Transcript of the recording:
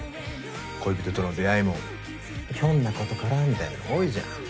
恋人との出会いもひょんなことからみたいなの多いじゃん。